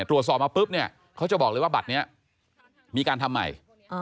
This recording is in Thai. ตรวจสอบมาปุ๊บเนี่ยเขาจะบอกเลยว่าบัตรนี้มีการทำใหม่